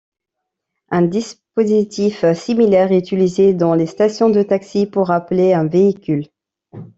Un dispositif similaire est utilisé dans les stations de taxi, pour appeler un véhicule.